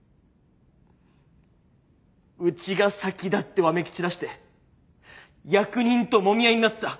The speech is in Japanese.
うちが先だってわめき散らして役人ともみ合いになった。